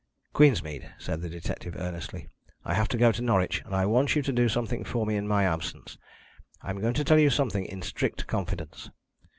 "Queensmead," said the detective earnestly, "I have to go to Norwich, and I want you to do something for me in my absence. I am going to tell you something in strict confidence.